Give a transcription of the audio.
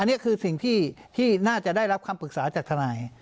อันนี้คือสิ่งที่น่าจะได้รับคำปรึกษาจากทนาย